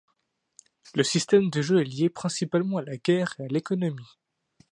Le système de jeu est lié principalement à la guerre et à l'économie.